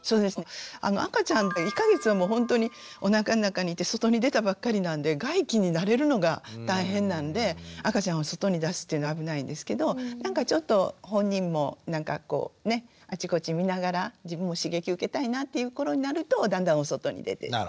赤ちゃんは１か月はもうほんとにおなかの中にいて外に出たばっかりなんで外気に慣れるのが大変なんで赤ちゃんを外に出すっていうのは危ないんですけどなんかちょっと本人もなんかこうねあちこち見ながら自分も刺激受けたいなっていう頃になるとだんだんお外に出て行って。